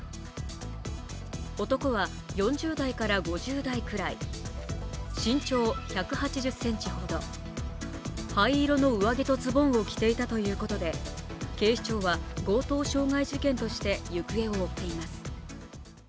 男は４０代から５０代くらい、身長１８０ｃｍほど、灰色の上着とズボンを着ていたということで、警視庁は強盗傷害事件として行方を追っています。